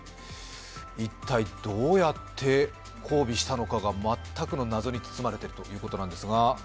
一体どうやって交尾したのかが全くの謎に包まれているということなんですが。